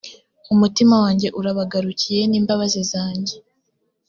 umutima wanjye urabagarukiye n’imbabazi zanjye